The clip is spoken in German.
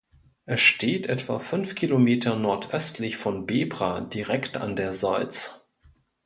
Es steht etwa fünf Kilometer nordöstlich von Bebra direkt an der Solz.